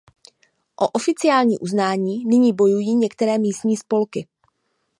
O oficiální uznání nyní bojují některé místní spolky.